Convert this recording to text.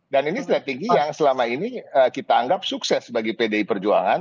dan ini strategi yang selama ini kita anggap sukses bagi pdi perjuangan